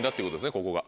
ここが。